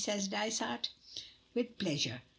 says Dysart. "With pleasure.